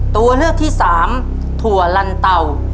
ตัวเลือกที่สามถั่วลันเต่า